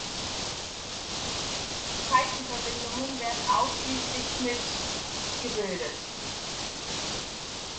Zeichenverbindungen werden ausschließlich mit 辶 gebildet.